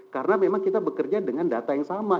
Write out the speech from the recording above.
karena memang kita bekerja dengan data yang sama